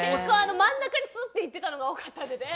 真ん中にすっていっていたのが多かったので。